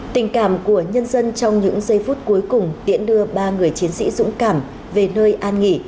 tình cảm của nhân dân trong những giây phút cuối cùng tiễn đưa ba người chiến sĩ dũng cảm về nơi an nghỉ